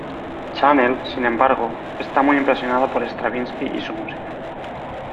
Chanel, sin embargo, está muy impresionada por Stravinski y su música.